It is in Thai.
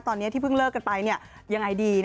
ตอนนี้ที่เพิ่งเลิกกันไปยังไงดี